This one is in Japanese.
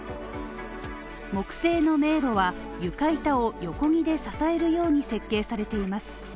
木製の迷路は床板を横木で支えるように設計されています。